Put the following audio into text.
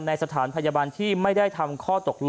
ในสถานพยาบาลที่ไม่ได้ทำข้อ